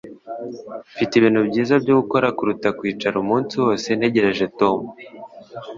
Mfite ibintu byiza byo gukora kuruta kwicara umunsi wose ntegereje Tom